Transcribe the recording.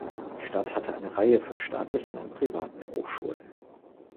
Die Stadt hat eine Reihe von staatlichen und privaten Hochschulen.